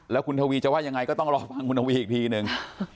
แล้วคุณทวีจะว่ายังไงก็ต้องรอฟังคุณทวีอีกทีนึง